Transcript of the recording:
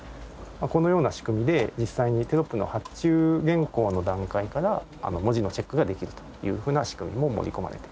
このような仕組みで実際にテロップの発注原稿の段階から文字のチェックができるというふうな仕組みも盛り込まれています。